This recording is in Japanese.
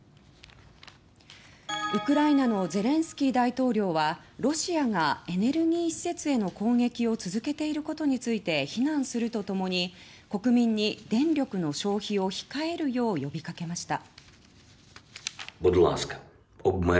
ウクライナのゼレンスキー大統領はロシアがエネルギー施設への攻撃を続けていることについて非難するとともに国民に電力の消費を控えるよう呼びかけました。